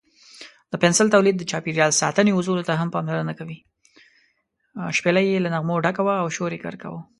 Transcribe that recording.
شپېلۍ یې له نغمو ډکه وه او شور یې ورکاوه.